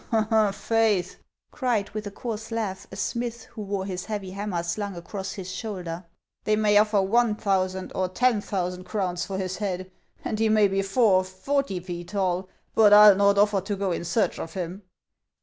" Faith !" cried, with a coarse laugh, a smith who wore his heavy hammer slung across his shoulder, " they may offer one thousand or ten thousand crowns for his head, and he may be four or forty feet tall, but I '11 not offer to go in search of him."